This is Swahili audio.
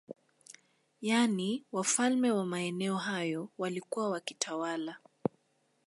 Yani wafalme wa maeneo hayo waliokuwa wakitawala